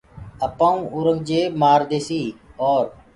آپآئونٚ اورنٚگجيب مآرديسيٚ اور